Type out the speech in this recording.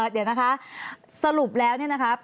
เดี๋ยวนะคะสรุปแล้วเนี่ยนะครับ